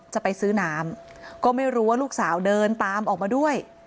จะไปซื้อน้ำก็ไม่รู้ว่าลูกสาวเดินตามออกมาด้วย